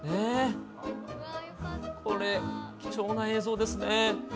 これ、貴重な映像ですね。